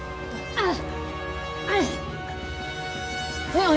あっ！